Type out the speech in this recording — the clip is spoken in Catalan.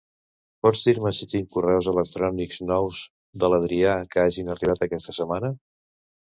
Pots dir-me si tinc correus electrònics nous de l'Adrià que hagin arribat aquesta setmana?